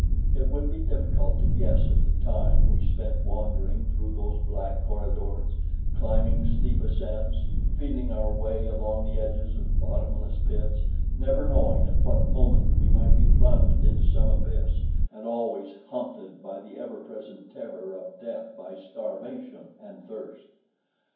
It would be difficult to guess at the time we spent wandering through those black corridors, climbing steep ascents, feeling our way along the edges of bottomless pits, never knowing at what moment we might be plunged into some abyss and always haunted by the ever present terror of death by starvation and thirst.